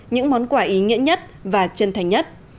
những món quà ý nghĩa nhất và chân thành nhất